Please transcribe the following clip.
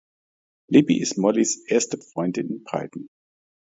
Libby ist Mollys erste Freundin in Brighton.